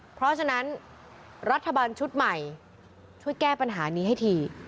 เพราะฉะนั้นรัฐบาลชุดใหม่ช่วยแก้ปัญหานี้ให้ที